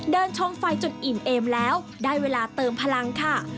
ชงไฟจนอิ่มเอมแล้วได้เวลาเติมพลังค่ะ